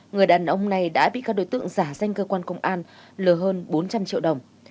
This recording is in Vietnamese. người đàn ông này đã bị các đối tượng giả danh cơ quan công an lừa hơn bốn trăm linh triệu đồng